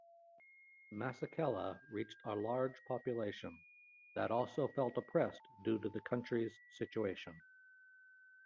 Masekela reached a large population that also felt oppressed due to the country's situation.